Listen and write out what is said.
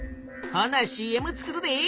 ほなＣＭ作るで！